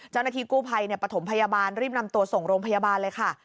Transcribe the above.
เจ้าหน้าที่กู้ภัยปฐมพยาบาลรีบนำตัวส่งโรงพยาบาลเลยค่ะ